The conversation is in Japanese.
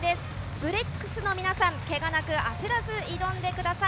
ブレックスの皆さんけがなく焦らず挑んでください。